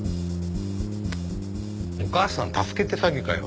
お母さん助けて詐欺かよ。